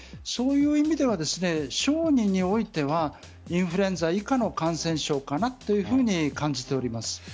そういう意味では小児においてはインフルエンザ以下の感染症かなと感じています。